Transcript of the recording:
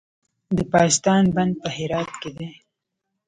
د پاشدان بند په هرات کې دی